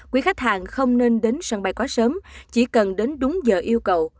quý khách hàng không nên đến sân bay quá sớm chỉ cần đến đúng giờ yêu cầu